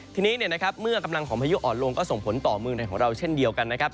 ทีนี้เมื่อกำลังของพายุอ่อนลงก็ส่งผลต่อเมืองไทยของเราเช่นเดียวกันนะครับ